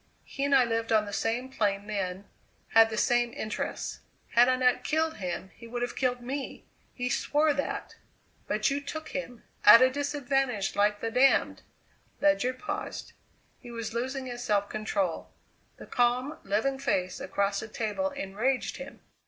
He and I lived on the same plane then; had the same interests. Had I not killed him, he would have killed me. He swore that." "But you took him at a disadvantage, like the damned " Ledyard paused; he was losing his self control. The calm, living face across the table enraged him.